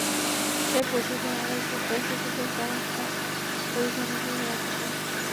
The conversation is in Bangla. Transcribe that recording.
তাই পরিষদের আরেক স্থায়ী সদস্য ফ্রান্স তাঁর প্রতি সমর্থন জানাতে পারে।